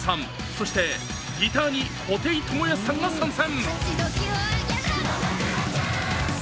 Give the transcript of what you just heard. そしてギターに布袋寅泰さんが参戦。